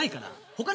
他。